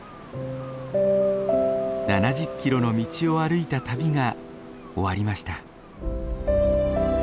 ７０キロの道を歩いた旅が終わりました。